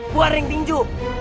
buat ring tinju